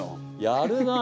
やるな。